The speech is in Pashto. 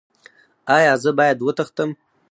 ایا زه باید وتښتم؟